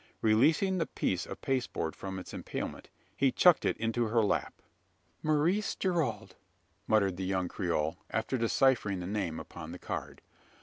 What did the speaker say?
Releasing the piece of pasteboard from its impalement, he "chucked" it into her lap. "Maurice Gerald!" muttered the young Creole, after deciphering the name upon the card.